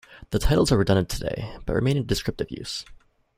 The titles are redundant today but remain in descriptive use.